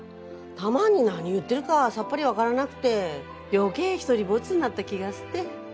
たまに何言ってるかさっぱりわからなくて余計独りぼっちになった気がして。